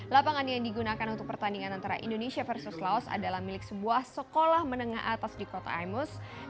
lapangan yang digunakan untuk pertandingan antara indonesia versus laos adalah milik sebuah sekolah menengah atas di kota imus